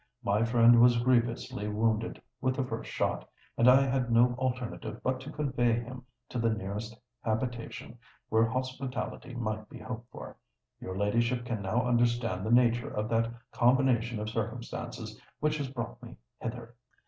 My friend was grievously wounded with the first shot; and I had no alternative but to convey him to the nearest habitation where hospitality might be hoped for. Your ladyship can now understand the nature of that combination of circumstances which has brought me hither."